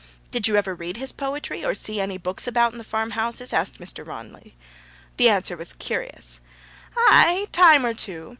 'Did you ever read his poetry, or see any books about in the farmhouses?' asked Mr. Rawnsley. The answer was curious: 'Ay, ay, time or two.